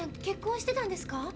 結婚してたんですか？